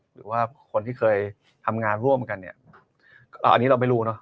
หรือว่าคนที่เคยทำงานร่วมกันเนี่ยอันนี้เราไม่รู้เนอะ